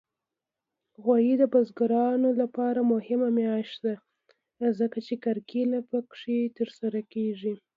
غویی د بزګرانو لپاره مهمه میاشت ده، ځکه کرکیله پکې ترسره کېږي.